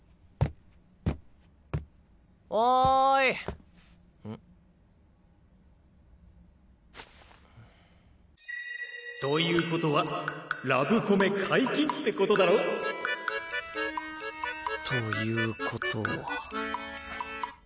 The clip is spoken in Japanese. オーイん！ということはラブコメ解禁ってことだろ？ということは。